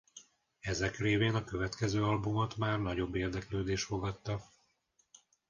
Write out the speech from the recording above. Ezek révén a következő albumot már nagyobb érdeklődés fogadta.